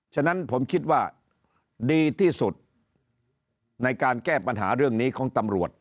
ฉะนั้นผมคิดว่าดีที่สุดในการแก้ปัญหาเรื่องนี้ของตำรวจ